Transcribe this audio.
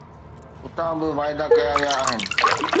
اتان به واعدا ڪيا ويا آهن.